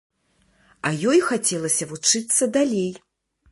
А ёй хацелася вучыцца далей.